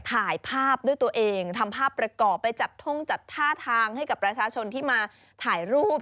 ถ่ายภาพด้วยตัวเองทำภาพประกอบไปจัดท่องจัดท่าทางให้กับประชาชนที่มาถ่ายรูป